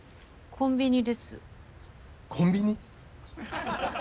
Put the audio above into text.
コンビニ？